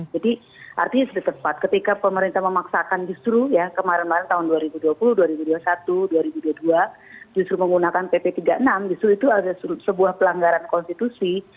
jadi artinya sudah tepat ketika pemerintah memaksakan justru ya kemarin marin tahun dua ribu dua puluh dua ribu dua puluh satu dua ribu dua puluh dua justru menggunakan pp tiga puluh enam justru itu adalah sebuah pelanggaran konstitusi